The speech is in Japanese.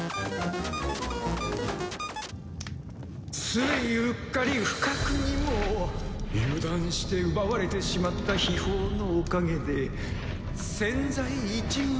ついうっかり不覚にも油断して奪われてしまった秘宝のおかげで千載一遇の好機が！